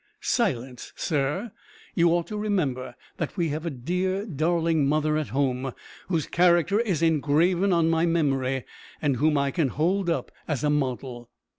"Silence, sir! you ought to remember that we have a dear, darling mother at home, whose character is engraven on my memory, and whom I can hold up as a model."